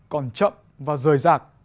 còn chậm và rời rạc